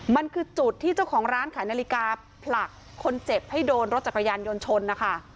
มันคือจุดที่เจ้าของร้านขายนาฬิกาผลักคนเจ็บให้โดนรถจักรยานยนต์ชนนะคะ